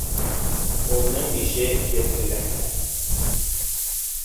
Уның ише ир эләкһә!